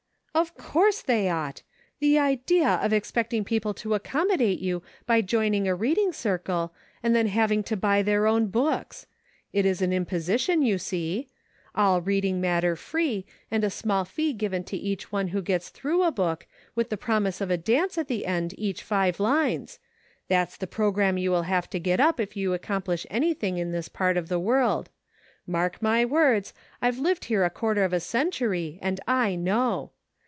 " Of course they ought ! The idea of expecting people to accommodate you by joining a reading circle, and then having to buy their own books ! It is an imposition, you see. All reading matter free, and a small fee given to each one who gets through a book, with the promise of a dance at the end of each five lines ; that's the programme you will have to get up if you accomplish anything in this part of the world. Mark my words; I've lived here a quarter of a century, and I know.